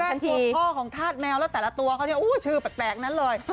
อย่างคนแรกท่อผ้ากำพัดแมวแล้วแต่ละตัวเขาเนี่ยชื่อแปลกนั้นเลย